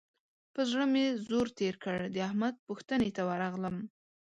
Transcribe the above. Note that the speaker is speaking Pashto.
پر زړه مې زور تېر کړ؛ د احمد پوښتنې ته ورغلم.